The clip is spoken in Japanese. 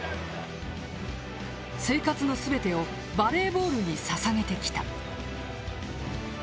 生活の全てをバレーボールに捧げてきた。